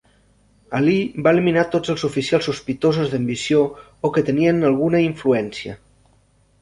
Ali va eliminar tots els oficials sospitosos d'ambició o que tenien alguna influència.